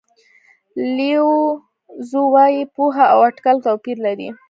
لیو زو وایي پوهه او اټکل توپیر لري.